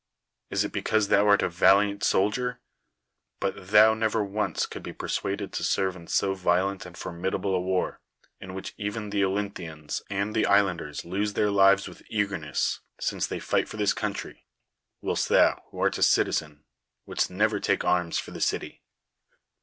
Is it because thou art a valiant soldier? But thou never once could be persuaded to serve in so violent and formidable a war, in which even the Olynthians and the islanders lose their lives with eagerness, since they fight for this country ; whilst thou, who art a citizen, wouldst never take arms for the city.